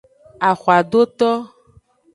Axwadoto.